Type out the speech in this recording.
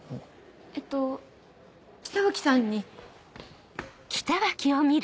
えっと北脇さんに。